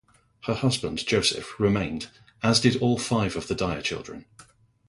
Her husband, Joseph, remained as did all five of the Dyer children.